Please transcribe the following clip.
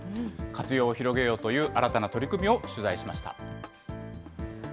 活用を広げようという新たな取り組みを取材しました。